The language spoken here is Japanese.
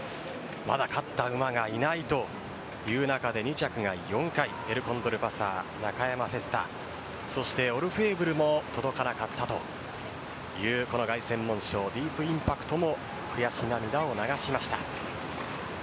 まだ勝った馬がいないという中で２着が４回エルコンドルパサーナカヤマフェスタオルフェーヴルも届かなかったというこの凱旋門賞ディープインパクトも悔し涙を流しました。